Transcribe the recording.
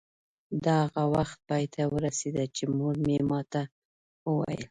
دا هغه وخت پای ته ورسېده چې مور مې ما ته وویل.